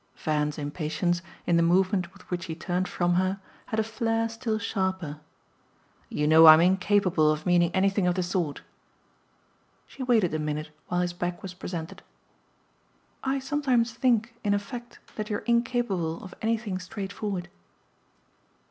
Van's impatience, in the movement with which he turned from her, had a flare still sharper. "You know I'm incapable of meaning anything of the sort." She waited a minute while his back was presented. "I sometimes think in effect that you're incapable of anything straightforward."